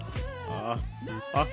ああ！